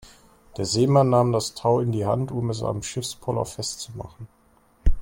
Der Seemann nahm das Tau in die Hand, um es am Schiffspoller festzumachen.